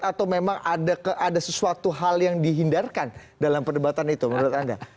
atau memang ada sesuatu hal yang dihindarkan dalam perdebatan itu menurut anda